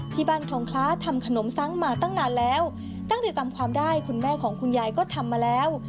คลองคล้าทำขนมซังมาตั้งนานแล้วตั้งแต่จำความได้คุณแม่ของคุณยายก็ทำมาแล้ว